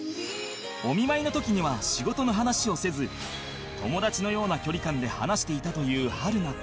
お見舞いの時には仕事の話をせず友達のような距離感で話していたという春菜